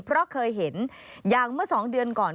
เพราะเคยเห็นอย่างเมื่อ๒เดือนก่อน